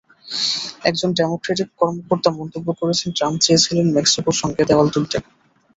একজন ডেমোক্রেটিক কর্মকর্তা মন্তব্য করেছেন, ট্রাম্প চেয়েছিলেন মেক্সিকোর সঙ্গে দেয়াল তুলতে।